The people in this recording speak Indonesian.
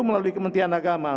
melalui kementerian agama